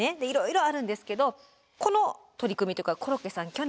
いろいろあるんですけどこの取り組みというかコロッケさん